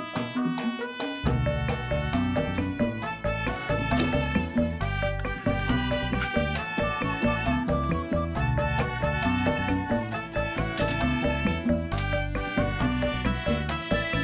kau mau berbual